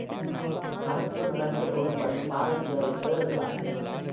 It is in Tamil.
கறுப்பு நிறத்தில் ஒரு பெண் பாறைச் சுவரில் ஏறுகிறாள்.